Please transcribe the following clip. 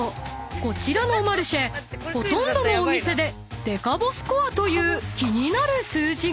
こちらのマルシェほとんどのお店で「デカボスコア」という気になる数字が］